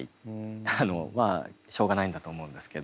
まあしょうがないんだと思うんですけど。